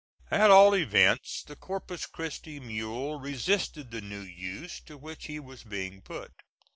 At all events the Corpus Christi mule resisted the new use to which he was being put.